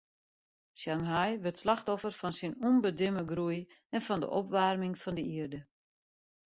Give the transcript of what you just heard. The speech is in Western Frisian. Shanghai wurdt slachtoffer fan syn ûnbedimme groei en fan de opwaarming fan de ierde.